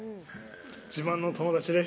自慢の友達です